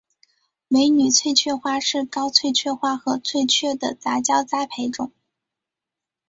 美女翠雀花是高翠雀花和翠雀的杂交栽培种。